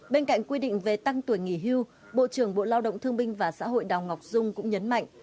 bên cạnh quy định về tăng tuổi nghỉ hưu bộ trưởng bộ lao động thương binh và xã hội đào ngọc dung cũng nhấn mạnh